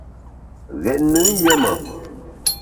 Ghét nùn yé ma.